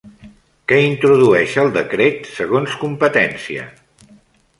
Què introdueix el decret segons Competència?